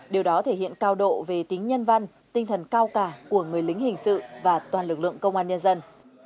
điều đó thể hiện cao độ về tính nhân văn tinh thần cao cả của người lính hình sự và toàn lực lượng công an nhân dân